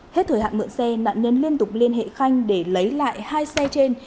hết thời hạn mượn xe nạn nhân liên tục liên hệ khanh để lấy lại hai xe trên